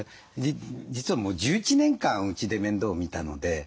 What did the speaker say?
実はもう１１年間うちで面倒を見たので。